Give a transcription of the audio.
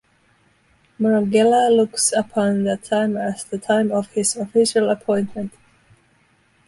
Marangella looks upon that time as the time of his official appointment.